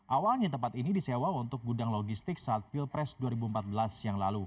awalnya tempat ini disewa untuk gudang logistik saltpil presiden